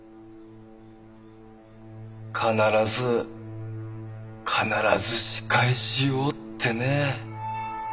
「必ず必ず仕返しを」ってね。